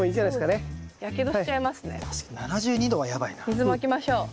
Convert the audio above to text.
水まきましょう。